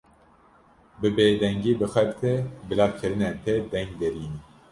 Bi bêdengî bixebite, bila kirinên te deng derînin.